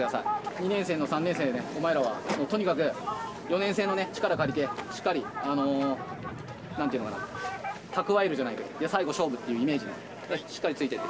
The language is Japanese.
２年生と３年生、お前らは、とにかく４年生の力借りて、しっかり、なんていうのかな、蓄えるじゃないけど、最後勝負っていうイメージで、しっかりついていって。